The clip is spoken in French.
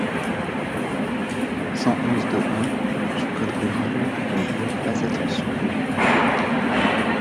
cent onze-deux-un du code rural ne doit pas être supprimé.